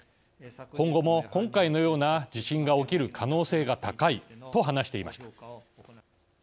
今後も今回のような地震が起きる可能性が高い」と話していました。